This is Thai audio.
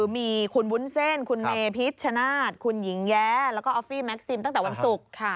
มีคุณวุ้นเส้นคุณเมพิชชนาธิ์คุณหญิงแย้แล้วก็ออฟฟี่แม็กซิมตั้งแต่วันศุกร์